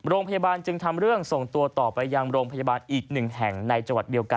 โรงพยาบาลจึงทำเรื่องส่งตัวต่อไปยังโรงพยาบาลอีกหนึ่งแห่งในจังหวัดเดียวกัน